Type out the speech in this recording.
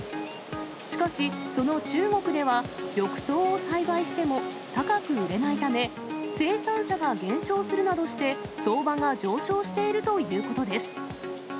しかし、その中国では緑豆を栽培しても高く売れないため、生産者が減少するなどして、相場が上昇しているということです。